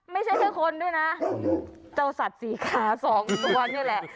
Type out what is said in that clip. ไม่ใช่แค่คนด้วยนะเจ้าสัตว์สี่ขาสองตัวนี่แหละ